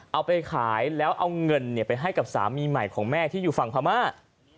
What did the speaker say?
เอาไปขายแล้วเอาเงินไปให้กับสามีใหม่ของแม่ที่อยู่ฝั่งพม่า